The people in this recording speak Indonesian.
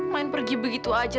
main pergi begitu aja